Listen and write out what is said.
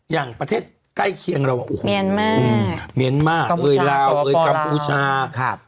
อย่างประเทศใกล้เคียงเราโอ้โหเมียนมากเมียนมากเอ้ยราวเอ้ยกัมพูชาครับ